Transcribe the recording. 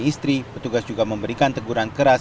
istri petugas juga memberikan teguran keras